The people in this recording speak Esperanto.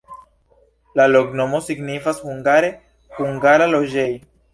La loknomo signifas hungare: hungara-loĝej'.